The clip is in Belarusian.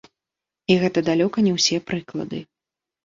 І гэта далёка не ўсе прыклады.